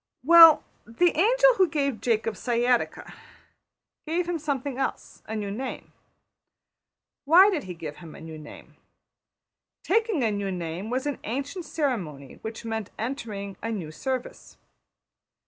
Well, the angel who gave Jacob sciatica gave him something else: a new name. Why did he give him a new name? Taking a new name was an ancient ceremony which meant entering a new service.